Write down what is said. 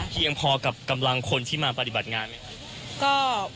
เพียงพอกับกำลังคนที่มาปฏิบัติงานไหมครับ